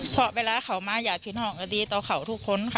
เพราะเวลาเขามาญาติพี่น้องก็ดีต่อเขาทุกคนค่ะ